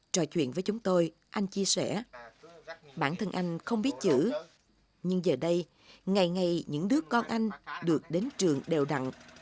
trò chuyện với chúng tôi anh chia sẻ bản thân anh không biết chữ nhưng giờ đây ngày ngày những đứa con anh được đến trường đều đặn